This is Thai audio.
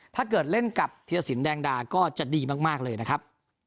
ถ้าเกิดเล่นกับธีรสินแดงดาก็จะดีมากเลยนะครับ